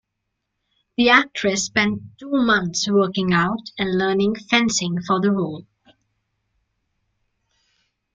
The actress spent two months working out and learning fencing for the role.